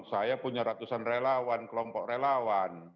saya punya ratusan relawan kelompok relawan